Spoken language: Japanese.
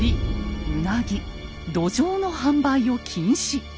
うなぎどじょうの販売を禁止。